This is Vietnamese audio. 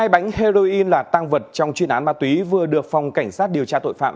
hai bánh heroin là tăng vật trong chuyên án ma túy vừa được phòng cảnh sát điều tra tội phạm